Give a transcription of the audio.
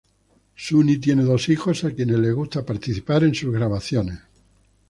Suni tiene dos hijos a quienes le gusta participar en sus grabaciones.